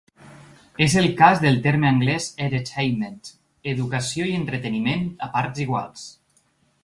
És el cas del terme anglès ‘edutainment’, educació i entreteniment a parts iguals.